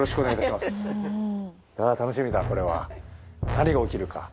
何が起きるか。